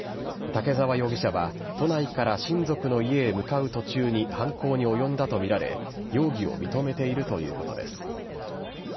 竹沢容疑者は都内から親族の家へ向かう途中に犯行に及んだと見られ、容疑を認めているということです。